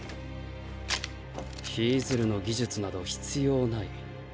ヒィズルの技術など必要ない。